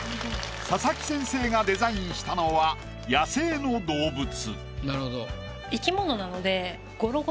佐々木先生がデザインしたのは野生の動物。